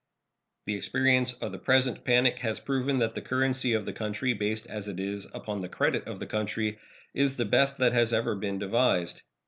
The experience of the present panic has proven that the currency of the country, based, as it is, upon the credit of the country, is the best that has ever been devised.